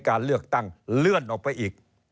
การเลือกตั้งเลื่อนออกไปอีก